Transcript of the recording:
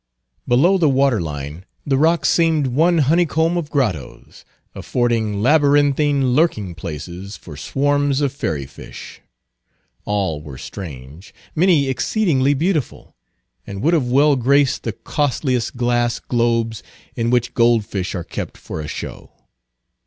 Below the water line, the rock seemed one honey comb of grottoes, affording labyrinthine lurking places for swarms of fairy fish. All were strange; many exceedingly beautiful; and would have well graced the costliest glass globes in which gold fish are kept for a show.